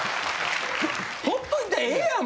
ほっといたらええやん。